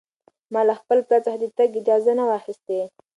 ما له خپل پلار څخه د تګ اجازه نه وه اخیستې.